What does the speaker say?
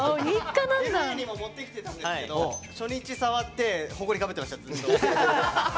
ＬＡにも持ってきてたんですけど初日触ってほこりかぶってました。